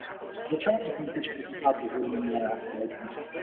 Začala na konci čtyřicátých let minulého století.